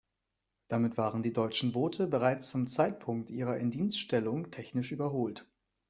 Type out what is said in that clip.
Damit waren die deutschen Boote bereits zum Zeitpunkt ihrer Indienststellung technisch überholt.